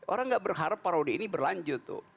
orang tidak berharap parodi ini berlanjut